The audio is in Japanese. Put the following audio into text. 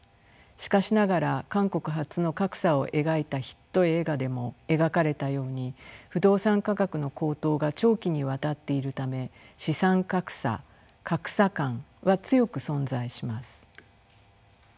しかしながら韓国発の格差を描いたヒット映画でも描かれたように不動産価格の高騰が長期にわたっているため資産格差格差感は強く存在します。